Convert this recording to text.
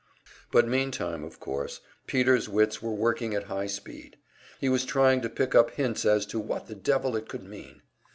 But meantime, of course, Peter's wits were working at high speed, he was trying to pick up hints as to what the devil it could mean.